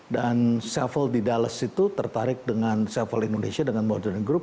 dan seville di dallas itu tertarik dengan seville indonesia dengan modern group